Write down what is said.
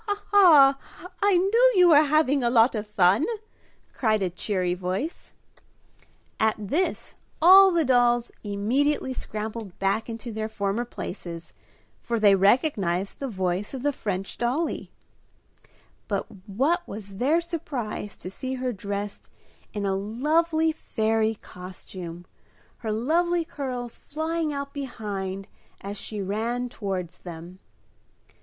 "Ha! Ha! Ha! I knew you were having a lot of fun!" cried a cheery voice. At this, all the dolls immediately scrambled back into their former places, for they recognized the voice of the French dollie. But what was their surprise to see her dressed in a lovely fairy costume, her lovely curls flying out behind, as she ran towards them.